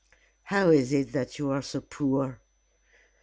"How is it that you are so poor?"